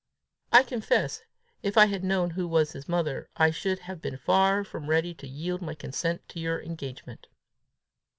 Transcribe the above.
"I confess, if I had known who was his mother, I should have been far from ready to yield my consent to your engagement."